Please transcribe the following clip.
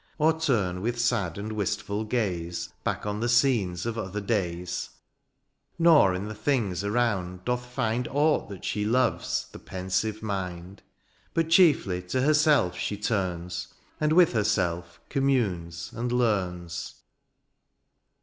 Or turn with sad and wistful gaze Back on the scenes of other days ;' Nor in the things around doth find Aught that she loves, the pensive mind ; But chiefly to herself she turns And with herself commimes and learns.